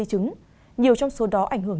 chứng nhiều trong số đó ảnh hưởng